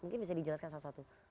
mungkin bisa dijelaskan salah satu